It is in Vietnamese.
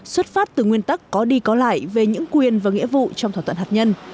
xuất phát từ nguyên tắc có đi có lại về những quyền và nghĩa vụ trong thỏa thuận hạt nhân